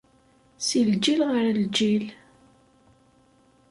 Si lǧil ɣer lǧil.